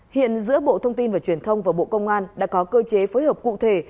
hiện giữa bộ thông tin và truyền thông và bộ công an đã có cơ chế phối hợp cụ thể